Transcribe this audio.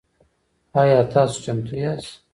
آیا تاسو چمتو یاست؟